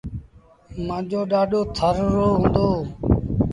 مآݩجو ڏآڏو ٿر رو هُݩدو۔